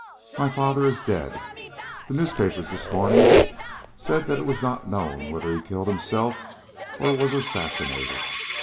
My father is dead. The newspapers this morning said that it was not known whether he killed himself or was assassinated.